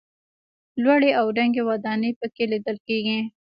لوړې او دنګې ودانۍ په کې لیدل کېږي.